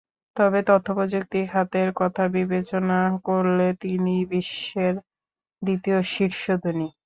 তবে তথ্যপ্রযুক্তি খাতের কথা বিবেচনা করলে তিনিই বিশ্বের দ্বিতীয় শীর্ষ ধনী।